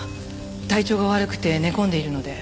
体調が悪くて寝込んでいるので。